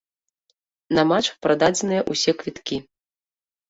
На матч прададзеныя ўсе квіткі.